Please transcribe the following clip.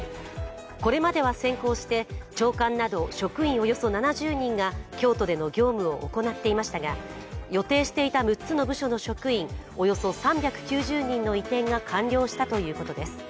これまでは先行して長官など職員およそ７０人が京都での業務を行っていましたが予定した６つの部署の職員およそ３９０人の移転が完了したということです。